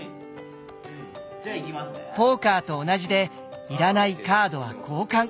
ポーカーと同じで要らないカードは交換。